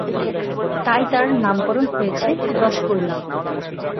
তাই তার নাম করণ হয়েছে রসগোল্লা।